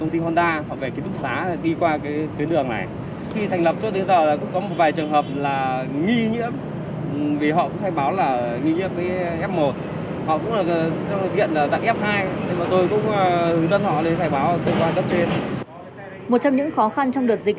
trong những khó khăn trong đợt dịch